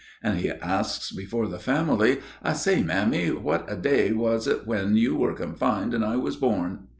And he asks before the family: "I say, mammy, what day was it when you were confined and I was born?"